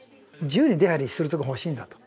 自由に出入りする所が欲しいんだと。